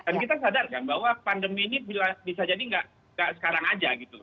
dan kita sadarkan bahwa pandemi ini bisa jadi tidak sekarang saja gitu